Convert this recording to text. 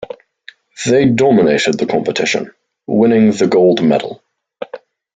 They dominated the competition, winning the gold medal.